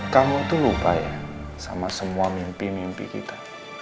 kamu tuh lupa ya sama semua mimpi mimpi kita